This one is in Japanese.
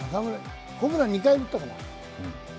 ホームラン２回打った？